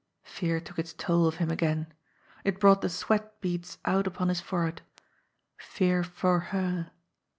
Fear took its toll of him again. It brought the sweat beads out upon his forehead. Fear for her.